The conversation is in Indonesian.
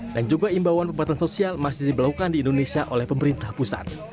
dan juga imabuan pembatasan sosial masih dibelakukan di indonesia oleh pemerintah pusat